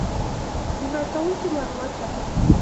ګمراه کوونکي معلومات راکوي.